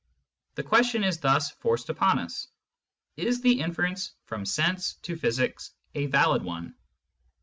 The question is thus forced upon us : Is the inference from sense to physics a valid one